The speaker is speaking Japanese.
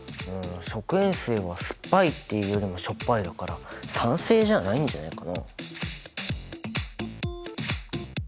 うん食塩水は酸っぱいっていうよりもしょっぱいだから酸性じゃないんじゃないかな。